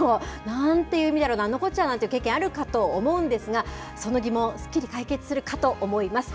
なんていう意味だろう、なんのこっちゃなんていう経験、あるかと思いますが、その疑問、すっきり解決するかと思います。